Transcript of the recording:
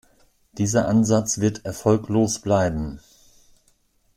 Dieser Ansatz wird erfolglos bleiben.